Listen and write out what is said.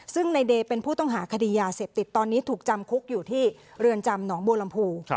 ซึ่งในเดย์เป็นผู้ต้องหาคดียาเสพติดตอนนี้ถูกจำคุกอยู่ที่เรือนจำหนองบัวลำพู